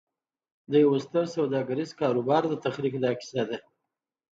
د یوه ستر سوداګریز کاروبار د تخلیق دا کیسه ده